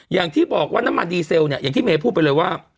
อย่างที่บอกว่าน้ำมันดีเซลเนี่ยอย่างที่เมย์พูดไปเลยว่า